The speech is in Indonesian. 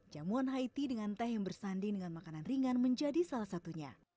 jamuan haiti dengan teh yang bersanding dengan makanan ringan menjadi salah satunya